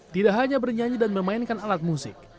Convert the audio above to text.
tidak hanya bernyanyi dan memainkan alat musik